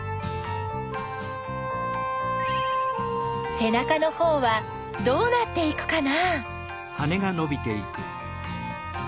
せなかのほうはどうなっていくかな？